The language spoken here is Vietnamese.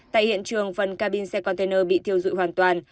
tại hiện trường phần cabin xe container bị thiêu dụi hoàn toàn